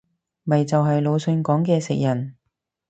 咪就係魯迅講嘅食人